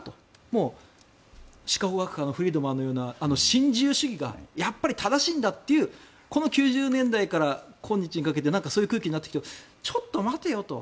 もうシカゴ学派のフリードマンのような主義が正しいんだというこの９０年代から今日にかけてそういう空気になってきたけどちょっと待てよと。